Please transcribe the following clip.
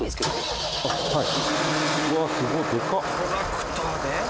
トラクターで？